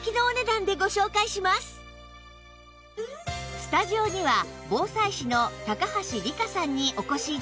スタジオには防災士の高橋利果さんにお越し頂きました